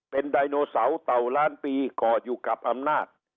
เป็นไดโนเสาร์เต่าล้านปีก่ออยู่กับอำนาจ